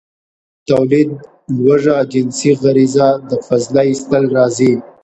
، توليد، لوږه، جنسي غريزه او د فضله ايستل راځي.